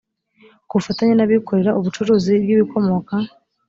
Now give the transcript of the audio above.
ku bufatanye n abikorera ubucuruzi bw ibikomoka